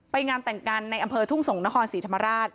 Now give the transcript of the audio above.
ไปงานแต่งงานในอำเภอทุ่งสงฆ์นครสีธรรมราช